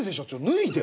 脱いで。